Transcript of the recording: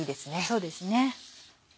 そうですね。